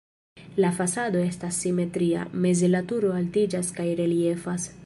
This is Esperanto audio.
La fasado estas simetria, meze la turo altiĝas kaj reliefas.